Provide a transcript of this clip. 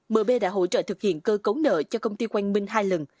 mb đã hỗ trợ thực hiện cơ cấu nợ cho công ty quang minh hai lần